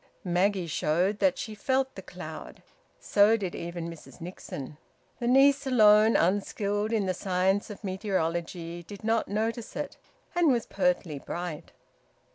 Maggie showed that she felt the cloud. So did even Mrs Nixon. The niece alone, unskilled in the science of meteorology, did not notice it, and was pertly bright.